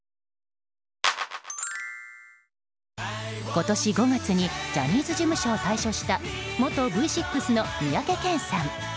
今年５月にジャニーズ事務所を退所した元Ｖ６の三宅健さん。